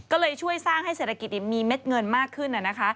ก็เลยช่วยสร้างให้เศรษฐกิจมีเม็ดเงินมากขึ้น